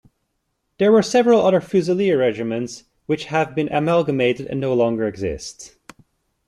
There were several other fusilier regiments which have been amalgamated and no longer exist.